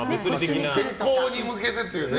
健康に向けてというね。